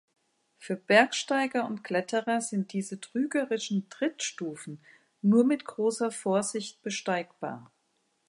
Für Bergsteiger und Kletterer sind diese trügerischen Trittstufen nur mit großer Vorsicht besteigbar.